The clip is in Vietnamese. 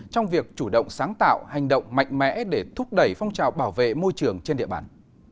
trong việc chủ động sáng tạo hành động mạnh mẽ để thúc đẩy phong trào bảo vệ môi trường trên địa bàn